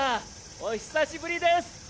お久しぶりです。